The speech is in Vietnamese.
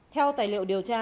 theo tài liệu điều tra